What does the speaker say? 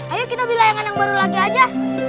ayo kita beli layangan yang baru lagi aja